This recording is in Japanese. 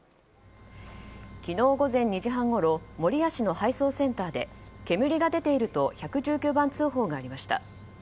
昨日午前２時半ごろ守谷市の配送センターで煙が出ていると１１９番通報がありました。